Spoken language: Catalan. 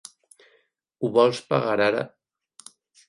Ho vols pagar ara?